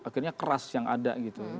akhirnya keras yang ada gitu